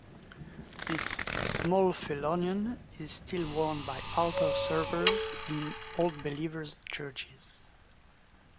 This "small phelonion" is still worn by altar servers in Old Believers churches.